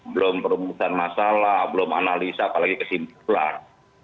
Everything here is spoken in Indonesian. belum perumusan masalah belum analisa apalagi kesimpulan